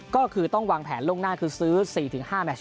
ก็คือต้องวางแผนล่วงหน้าคือซื้อ๔๕แมช